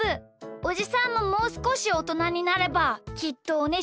おじさんももうすこしおとなになればきっとおねしょしなくなるよ。